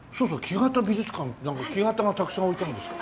なんか木型がたくさん置いてあるんですか？